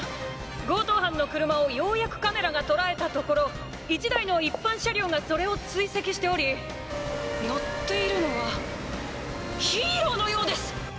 強盗犯の車をようやくカメラが捉えたところ１台の一般車両がそれを追跡しており乗っているのはヒーローのようです！」